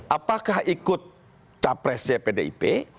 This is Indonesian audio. apakah ikut capresnya pdip